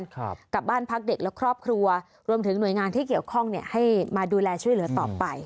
กับบ้านพักเด็กและครอบครัวรวมถึงหน่วยงานที่เกี่ยวข้องเนี่ยให้มาดูแลช่วยเหลือต่อไป